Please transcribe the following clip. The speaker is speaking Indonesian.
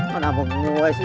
kenapa gua sih